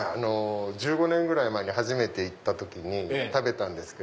１５年ぐらい前に初めて行った時に食べたんです。